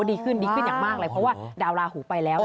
ดีขึ้นดีขึ้นอย่างมากเลยเพราะว่าดาวลาหูไปแล้ว